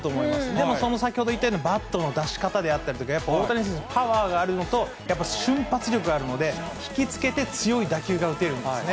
でもその、先ほど言ったようにバットの出し方であったりとか、やっぱ大谷選手、パワーがあるのと、やっぱ瞬発力があるので、引きつけて強い打球が打てるんですね。